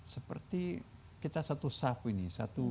seperti kita satu saf ini